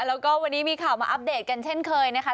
แล้วก็วันนี้มีข่าวมาอัปเดตกันเช่นเคยนะคะ